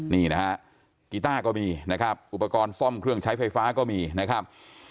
นี่นะฮะกีต้าก็มีนะครับอุปกรณ์ซ่อมเครื่องใช้ไฟฟ้าก็มีนะครับ